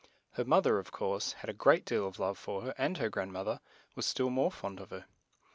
Her moth er, of course, had a great deal of love for her, and her grand moth er was still more fond of her.